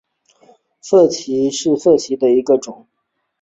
涩荠为十字花科涩荠属下的一个种。